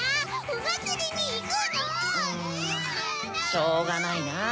うんしょうがないなぁ。